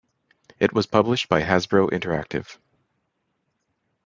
It was published by Hasbro Interactive.